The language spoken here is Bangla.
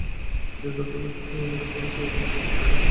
যে দরিদ্র ব্যক্তির তুমি উপকার কর, সেও তোমাকে উপকার করার সুযোগ দিতেছে।